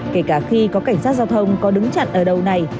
kể cả khi có cảnh sát giao thông có đứng chặn ở đầu này